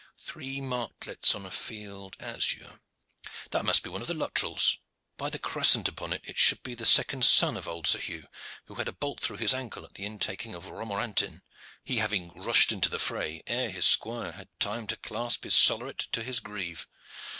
Three martlets on a field azure, that must be one of the Luttrells. By the crescent upon it, it should be the second son of old Sir Hugh, who had a bolt through his ankle at the intaking of Romorantin, he having rushed into the fray ere his squire had time to clasp his solleret to his greave.